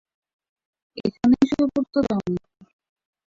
এখানেই শুয়ে পড়তে চাও নাকি?